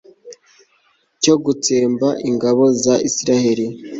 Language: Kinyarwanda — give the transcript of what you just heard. cyo gutsemba ingabo za israheli